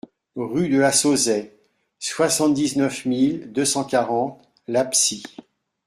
Rue de la Sauzaie, soixante-dix-neuf mille deux cent quarante L'Absie